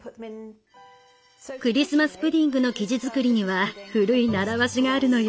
クリスマス・プディングの生地作りには古い習わしがあるのよ。